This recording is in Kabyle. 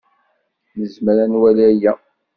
Nezmer ad nwali aya.